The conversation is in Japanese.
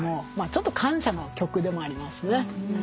ちょっと感謝の曲でもありますね。